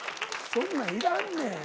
そんなんいらんねん。